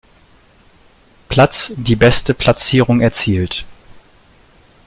Platz die beste Platzierung erzielt.